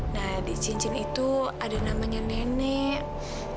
nah di cincin itu ada namanya nenek